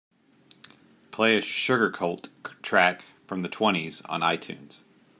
Play a Sugarcult track from the twenties on Itunes